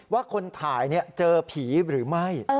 ว่าคนถ่ายเจอผีหรือไม่